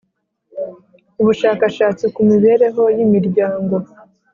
ubushakashatsi ku mibereho y'imiryango